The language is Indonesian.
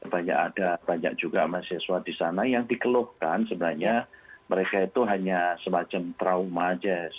banyak ada banyak juga mahasiswa di sana yang dikeluhkan sebenarnya mereka itu hanya semacam trauma saja